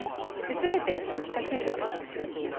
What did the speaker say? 全て皮下注射で使用します。